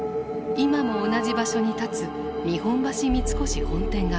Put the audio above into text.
今も同じ場所に立つ日本橋三越本店が見える。